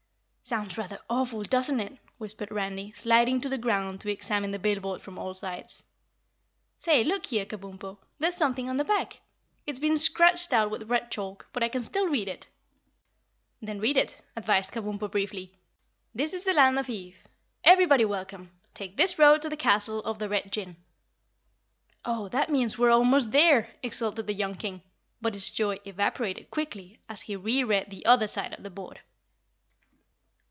"Sounds rather awful, doesn't it?" whispered Randy, sliding to the ground to examine the billboard from all sides. "Say, look here, Kabumpo, there's something on the back. It's been scratched out with red chalk, but I can still read it." "Then read it," advised Kabumpo briefly. "This is the Land of Ev! Everybody welcome! Take this road to the Castle of the Red Jinn." "Oh, that means we're almost there!" exulted the young King, but his joy evaporated quickly as he re read the other side of the board.